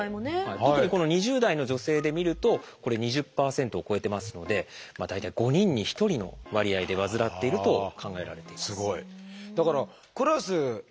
特にこの２０代の女性で見ると２０％を超えてますので大体５人に１人の割合で患っていると考えられています。